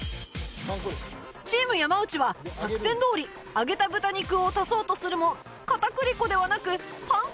チーム山内は作戦どおり揚げた豚肉を足そうとするも片栗粉ではなくパン粉をつけて揚げてしまうミス